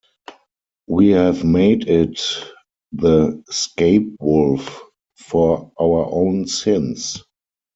We have made it the scapewolf for our own sins.